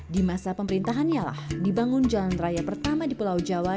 di masa pemerintahannya lah dibangun jalan raya pertama di pulau jawa